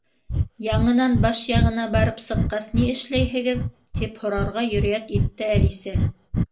—Яңынан баш яғына барып сыҡҡас, ни эшләйһегеҙ? —тип һорарға йөрьәт итте Әлисә.